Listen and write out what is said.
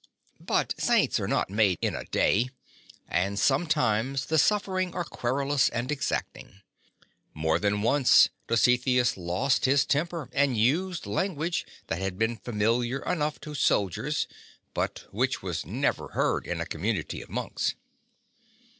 But saints are not made in a day, and sometimes the suffering are querulous and exacting. More than once Dositheus lost his temper and used language that had been familiar enough to^ soldiers but which was never heard in a community of monks.